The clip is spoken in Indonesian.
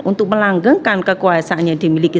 untuk melanggengkan kekuasaan yang dimiliki